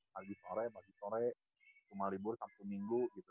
pagi sore pagi sore rumah libur satu minggu gitu